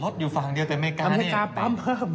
สบายได้เพิ่ม